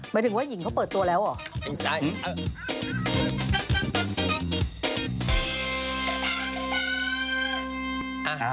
หมายถึงว่าหญิงเขาเปิดตัวแล้วเหรอ